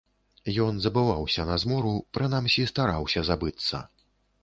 Ён забываўся на змору, прынамсі, стараўся забыцца.